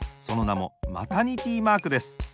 そのなもマタニティマークです。